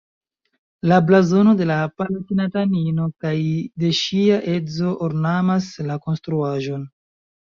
La blazono de la palatinatanino kaj de ŝia edzo ornamas la konstruaĵon.